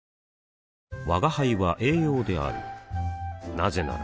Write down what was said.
なぜなら